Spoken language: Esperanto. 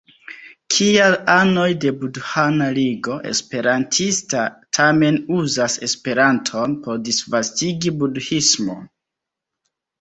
Kial anoj de Budhana Ligo Esperantista tamen uzas Esperanton por disvastigi budhismon?